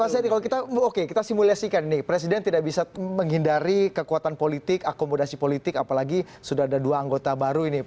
mas eri kalau kita simulasikan nih presiden tidak bisa menghindari kekuatan politik akomodasi politik apalagi sudah ada dua anggota baru ini